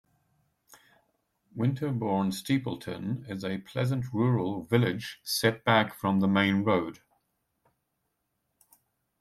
Winterbourne Steepleton is a pleasant rural village set back from the main road.